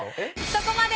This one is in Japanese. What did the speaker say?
そこまで！